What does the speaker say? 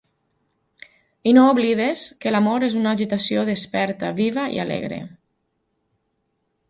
I no oblidis que l’amor és una agitació desperta, viva i alegre.